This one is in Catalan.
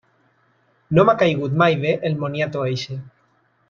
No m’ha caigut mai bé el moniato eixe.